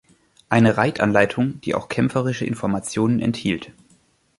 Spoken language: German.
Eine Reitanleitung, die auch kämpferische Informationen enthielt.